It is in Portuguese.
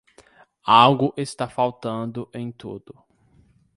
Algo está faltando em tudo.